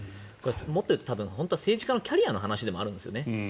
もっと言うと政治家のキャリアの話でもあるんですよね。